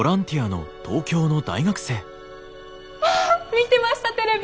見てましたテレビ！